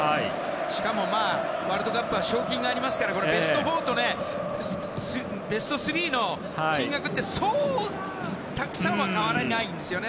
しかもワールドカップは賞金がありますからベスト４とベスト３の金額ってそうたくさんは変わらないんですよね。